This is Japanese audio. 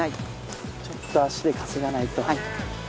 ちょっと足で稼がないと。